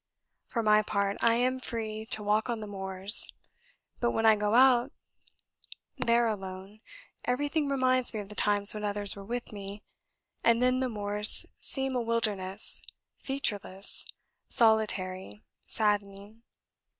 For my part, I am free to walk on the moors; but when I go out there alone, everything reminds me of the times when others were with me, and then the moors seem a wilderness, featureless, solitary, saddening.